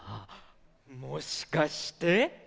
もしかして。